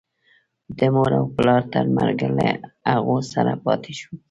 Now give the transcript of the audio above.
د مور و پلار تر مرګه له هغو سره پاتې شو.